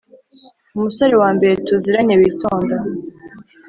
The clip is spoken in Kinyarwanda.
Umusore wambere tuziranye witonda